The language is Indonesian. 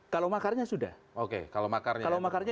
kalau makarnya sudah oke kalau makarnya